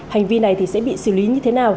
hành vi này thì sẽ bị xử lý như thế nào